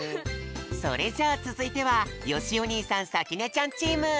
それじゃあつづいてはよしお兄さんさきねちゃんチーム。